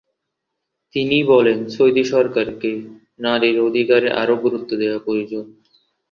তিনি বলেন, সৌদি সরকারকে নারীর অধিকারে আরও গুরুত্ব দেয়া প্রয়োজন।